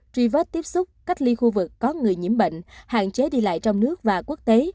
truy vết tiếp xúc cách ly khu vực có người nhiễm bệnh hạn chế đi lại trong nước và quốc tế